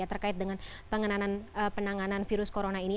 terkait dengan penanganan virus corona ini